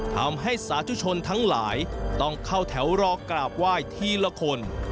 ทำให้สาธุชนทั้งหลายต้องเข้าแถวรอกราบไหว้ทีละคน